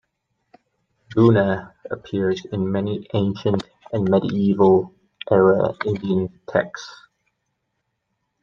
"Guna" appears in many ancient and medieval era Indian texts.